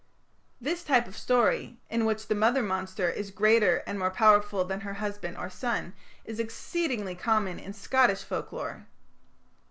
This type of story, in which the mother monster is greater and more powerful than her husband or son, is exceedingly common in Scottish folklore.